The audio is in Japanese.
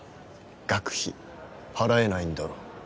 「学費払えないんだろ」